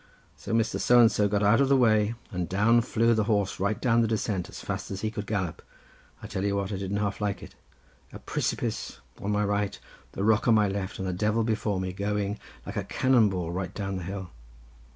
"So Mr. So and so got out of the way, and down flew the horse right down the descent, as fast as he could gallop. I tell you what, I didn't half like it! A pree si pice on my right, the rock on my left, and a devil before me, going, like a cannon ball, right down the hill.